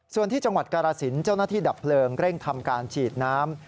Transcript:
ส่วนที่จังหวัดกาลสินเจ้าหน้าที่ดับเพลิงเร่งทำการฉีดน้ำ